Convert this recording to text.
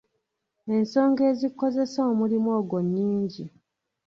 Ensonga ezikozesa omulimu ogwo nnyingi.